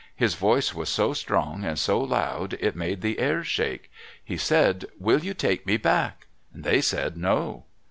His voice was so strong and so loud it made the air shake. He said, "Will you take me back?" They said, "No."